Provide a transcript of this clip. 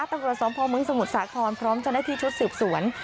กราบสมภมไมร์สมุทรสาครพร้อมรับที่ชุดศือบสวน